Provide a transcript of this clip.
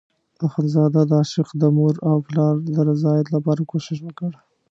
اخندزاده د عاشق د مور او پلار د رضایت لپاره کوشش وکړ.